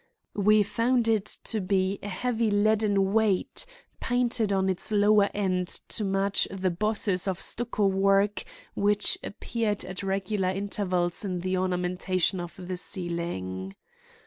We found it to be a heavy leaden weight painted on its lower end to match the bosses of stucco work which appeared at regular intervals in the ornamentation of the ceiling.